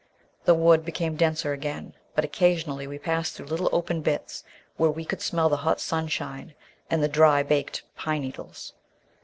The wood became denser again, but occasionally we passed through little open bits where we could smell the hot sunshine and the dry, baked pine needles.